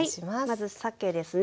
まずさけですね。